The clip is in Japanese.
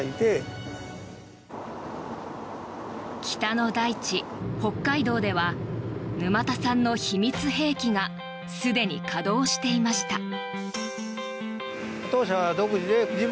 北の大地、北海道では沼田さんの秘密兵器がすでに稼働していました。